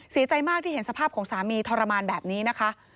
เสียใจมากที่เห็นสภาพของสามีทรมานแบบนี้นะคะ